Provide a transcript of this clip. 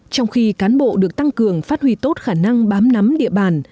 trong khi cán bộ được tăng cường phát huy tốt khả năng bám nắm địa bàn